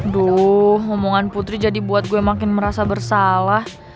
duh omongan putri jadi buat gue makin merasa bersalah